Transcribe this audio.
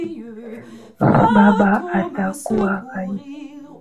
Baba atakuwa rais